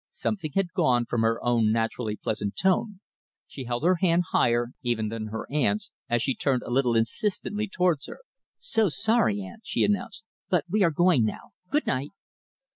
Something had gone from her own naturally pleasant tone. She held her hand higher, even, than her aunt's, as she turned a little insistently towards her. "So sorry, aunt," she announced, "but we are going now. Good night!"